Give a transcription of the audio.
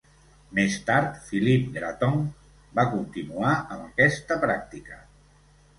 Més tard, Philippe Graton va continuar amb aquesta pràctica.